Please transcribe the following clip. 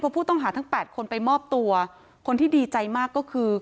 ผู้ต้องหาทั้ง๘คนไปมอบตัวคนที่ดีใจมากก็คือ